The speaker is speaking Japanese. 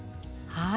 はい。